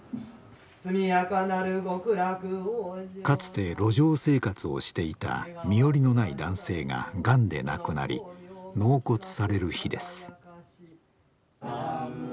かつて路上生活をしていた身寄りのない男性ががんで亡くなり納骨される日です。